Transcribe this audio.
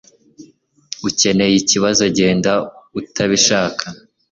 ukeneye ikibazo ,genda utabishaka